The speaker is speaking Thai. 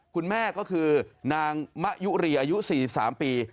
คุณแม่ก็คือนางมะยุรีอายุ๔๓ปี